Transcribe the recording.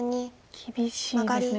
厳しいですね。